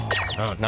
何？